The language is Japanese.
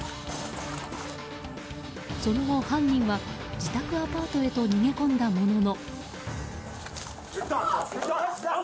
その後、犯人は自宅アパートへと逃げ込んだものの。